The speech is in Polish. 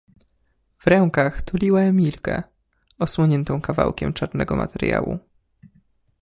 W rękach tuliła Emilkę, osłoniętą kawałkiem czarnego materiału.